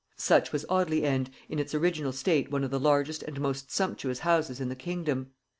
Such was Audley End, in its original state one of the largest and most sumptuous houses in the kingdom.